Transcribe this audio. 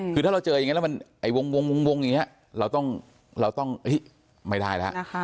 ประตูอย่างเนี่ยแล้วมันไว้วงอย่างไงเราต้องไม่ได้แล้ว